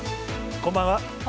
こんばんは。